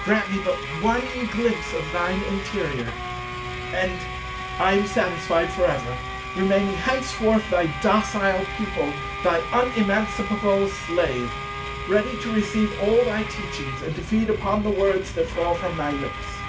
Grant me but one glimpse of thine interior, and I am satisfied for ever, remaining henceforth thy docile pupil, thy unemancipable slave, ready to receive all thy teachings and to feed upon the words that fall from thy lips.